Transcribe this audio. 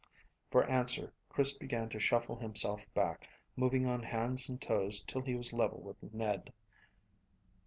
For answer Chris began to shuffle himself back, moving on hands and toes till he was level with Ned.